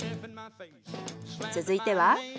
続いては？